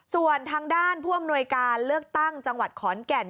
ส่วนทางด้านผู้อำนวยการเลือกตั้งจังหวัดขอนแก่น